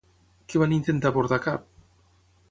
Què van intentar portar a cap?